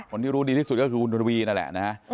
คนที่รู้ดีที่สุดก็คือคุณทวีนั่นแหละนะฮะ